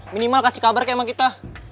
minimal kasih kabar ke emang kita